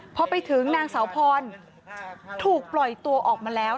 พอไปถึงนางสาวพรถูกปล่อยตัวออกมาแล้ว